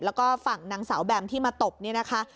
แล้วก็ฝั่งนางสาวแบมที่มาตบนี่นะคะ